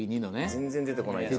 全然出てこないな。